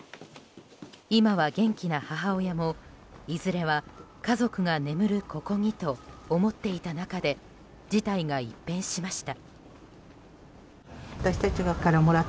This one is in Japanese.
今は元気な母親もいずれは家族が眠るここにと思っていた中で事態が一変しました。